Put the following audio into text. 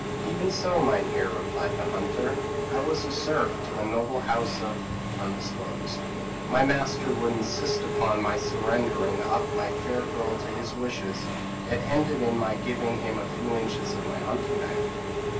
p> "'Even so, Meinheer,' replied the hunter. 'I was a serf to the noble house of ; my master would insist upon my surrendering up my fair girl to his wishes: it ended in my giving him a few inches of my hunting knife.'